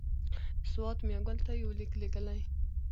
سوات میاګل ته یو لیک لېږلی.